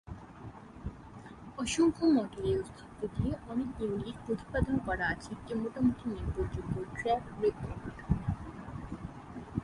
অসংখ্য মডেলের অস্তিত্ব দিয়ে, অনেক ইউনিট প্রতিপাদন করা আছে একটি মোটামুটি নির্ভরযোগ্য ট্র্যাক রেকর্ড।